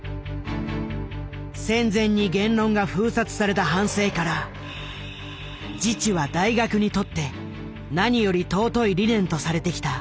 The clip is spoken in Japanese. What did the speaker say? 戦前に言論が封殺された反省から自治は大学にとって何より尊い理念とされてきた。